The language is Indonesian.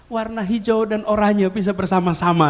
warna hijau dan oranye bisa bersama sama